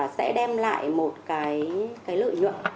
sẽ đem lại một cái lợi nhuận